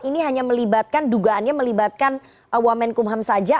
ini hanya melibatkan dugaannya melibatkan wamen kumham saja